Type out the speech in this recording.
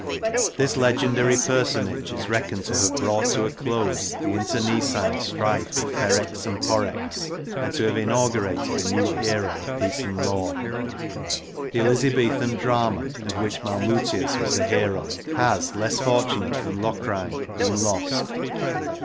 This legendary personage is reckoned to have brought to a close the internecine strife of Ferrex and Porrex, and to have inaugurated a new era of peace and law. The Elizabethan drama, of which Malmutius was the hero, has less fortunate than Locrine been lost.